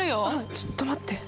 ちょっと待って。